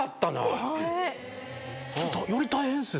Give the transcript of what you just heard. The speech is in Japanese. ちょっとより大変っすね